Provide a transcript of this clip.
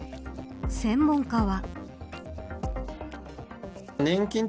専門家は。